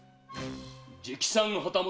直参旗本